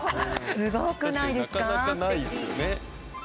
すごくないですかすてき。